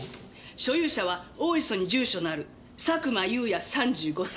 所有者は大磯に住所のある佐久間有也３５歳。